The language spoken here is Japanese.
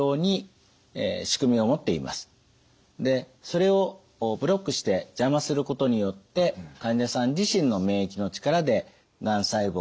それをブロックして邪魔することによって患者さん自身の免疫の力でがん細胞を排除しようという薬です。